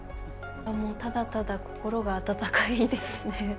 もうただただ心が温かいですね。